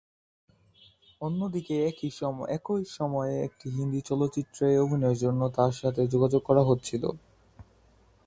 অন্যদিকে একই সময়ে একটি হিন্দি চলচ্চিত্রে অভিনয়ের জন্য তাঁর সাথে যোগাযোগ করা হচ্ছিল।